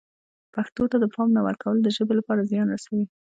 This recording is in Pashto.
پښتو ته د پام نه ورکول د ژبې لپاره زیان رسوي.